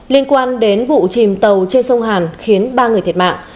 liên quan đến vụ chìm tàu trên sông hàn khiến ba người thiệt mạng